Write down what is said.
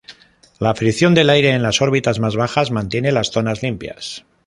La fricción del aire en las órbitas más bajas mantiene las zonas limpias.